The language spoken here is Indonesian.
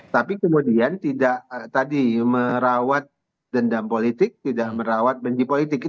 tapi kemudian tidak tadi merawat dendam politik tidak merawat benci politik